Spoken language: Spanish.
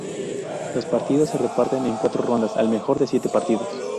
Los partidos se reparten en cuatro rondas al mejor de siete partidos.